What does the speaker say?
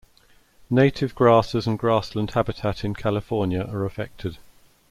Native grasses and grassland habitat in California are affected.